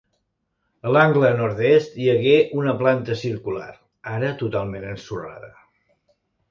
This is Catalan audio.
A l'angle nord-est hi hagué una planta circular, ara totalment ensorrada.